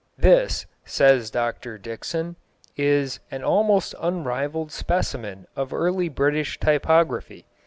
This, says Dr Dickson, is "an almost unrivalled specimen of early British typography.